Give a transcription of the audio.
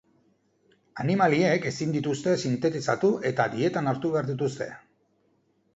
Animaliek ezin dituzte sintetizatu eta dietan hartu behar dituzte.